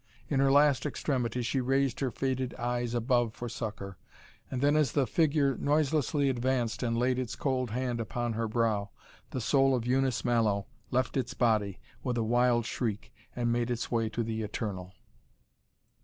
In her last extremity she raised her faded eyes above for succour, and then as the figure noiselessly advanced and laid its cold hand upon her brow, the soul of Eunice Mallow left its body with a wild shriek and made its way to the Eternal.